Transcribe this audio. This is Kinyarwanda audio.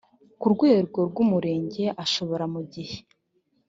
ku rwego rw umurenge ashobora mu gihe